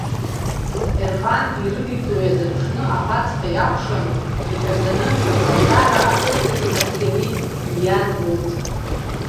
Ерҟан ирыдиҵо иазыԥшны, аԥацха иакәшаны, иҳәазаны мацара акырӡагьы инаскьаны ииан урҭ.